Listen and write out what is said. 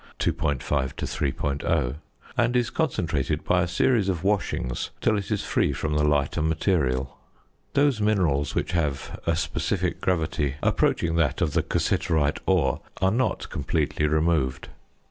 5 to 3.0), and is concentrated by a series of washings till it is free from the lighter material. Those minerals which have a specific gravity approaching that of the cassiterite are not completely removed.